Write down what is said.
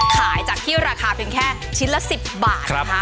ขายจากที่ราคาเป็นแค่ชิ้นละ๑๐บาท